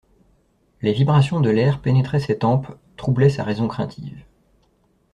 Les vibrations de l'air pénétraient ses tempes, troublaient sa raison craintive.